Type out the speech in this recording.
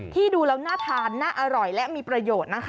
ดูแล้วน่าทานน่าอร่อยและมีประโยชน์นะคะ